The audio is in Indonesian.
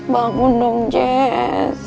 bangun dong jess